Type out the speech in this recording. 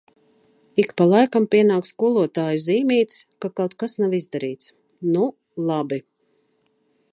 Ik pa laikam pienāk skolotāju zīmītes, ka kaut kas nav izdarīts. Nu, labi.